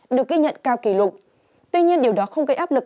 được ghi nhận cao kỷ lục tuy nhiên điều đó không gây áp lực